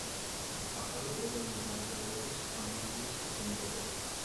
ახალი კორეული დამწერლობის ჰანგულის ფუძემდებელი.